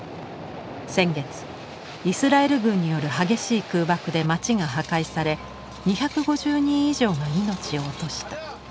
先月イスラエル軍による激しい空爆で町が破壊され２５０人以上が命を落とした。